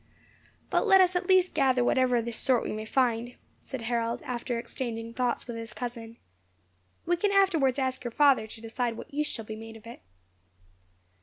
"But let us at least gather whatever of this sort we may find," said Harold, after exchanging thoughts with his cousin. "We can afterwards ask your father to decide what use shall be made of it."